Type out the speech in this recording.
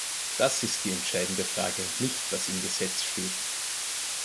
Das ist die entscheidende Frage, nicht was im Gesetz steht!